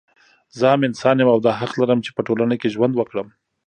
زه هم انسان يم او دا حق لرم چې په ټولنه کې ژوند وکړم